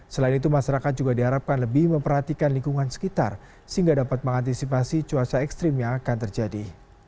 selain itu masyarakat juga diharapkan lebih memperhatikan lingkungan sekitar sehingga dapat mengantisipasi cuaca ekstrim yang akan terjadi